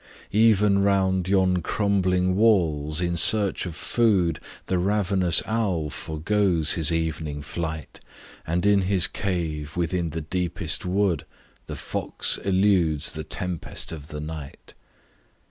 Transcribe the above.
Even round yon crumbling walls, in search of food, The ravenous Owl foregoes his evening flight, And in his cave, within the deepest wood, The Fox eludes the tempest of the night.